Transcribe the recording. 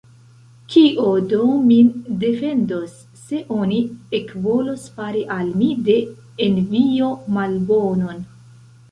Kio do min defendos, se oni ekvolos fari al mi de envio malbonon?